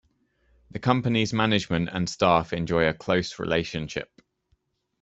The company's management and staff enjoy a close relationship.